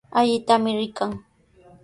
Allitami rikan.